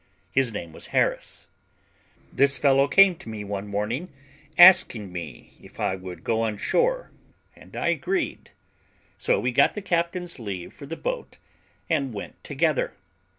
His name was Harris. This fellow came to me one morning, asking me if I would go on shore, and I agreed; so we got the captain's leave for the boat, and went together.